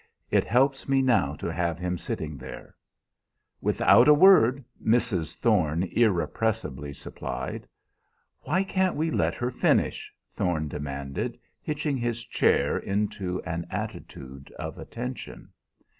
It helps me now to have him sitting there" "Without a word!" Mrs. Thorne irrepressibly supplied. "Why can't we let her finish?" Thorne demanded, hitching his chair into an attitude of attention.